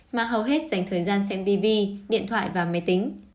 mà hầu hết dành thời gian xem vv điện thoại và máy tính